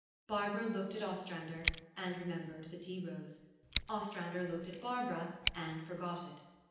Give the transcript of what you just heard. Barbara looked at Ostrander, and remembered the tea rose. Ostrander looked at Barbara, and forgot it.